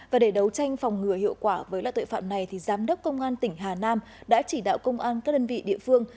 và để đấu tranh phòng ngừa hiệu quả với loại tội phạm này giám đốc công an tỉnh hà nam đã chỉ đạo công an các đơn vị địa phương